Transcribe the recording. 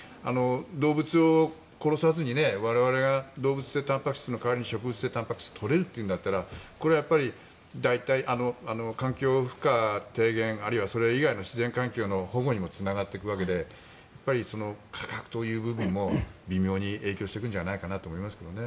動物を殺さずに、我々が動物性たんぱく質の代わりに植物性たんぱく質を取れるというんだったらこれは環境負荷低減あるいはそれ以外の自然環境の保護にもつながってくるわけで価格という部分も微妙に影響してくるんじゃないかなと思いますね。